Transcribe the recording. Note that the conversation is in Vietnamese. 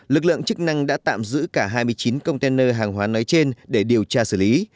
lực lượng chức năng đã tạm giữ cả hai mươi chín container hàng hóa nói trên để điều tra xử lý